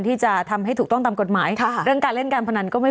ที่จะทำให้ถูกต้องตามกฎหมายค่ะเรื่องการเล่นการพนันก็ไม่